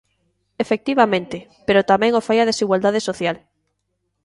Efectivamente, pero tamén o fai a desigualdade social.